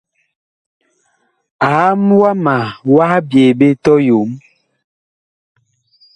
Aam wama wah byee ɓe tɔyom.